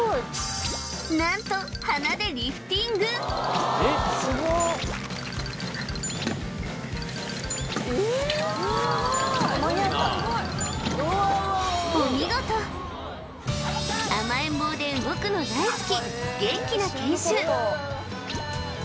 何と鼻でリフティング甘えん坊で動くの大好き元気な犬種